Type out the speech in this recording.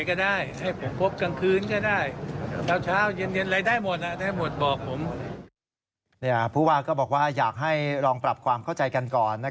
โอเควันไหนก็ได้ให้ผมพบกลางคืนก็ได้